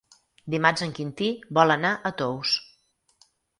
Dimarts en Quintí vol anar a Tous.